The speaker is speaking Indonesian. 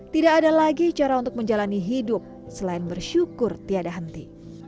tidak ada lagi cara untuk menjalani hidup selain bersyukur tiada henti